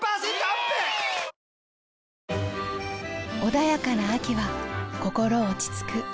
穏やかな秋は心落ち着くお部屋に